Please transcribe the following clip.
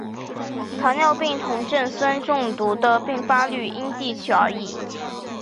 糖尿病酮症酸中毒的病发率因地区而异。